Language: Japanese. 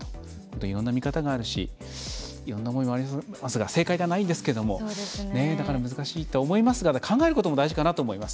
いろんな見方もあるしいろんな思いもありますが正解はないんですけれども難しいとは思いますが考えることも大事かなと思います。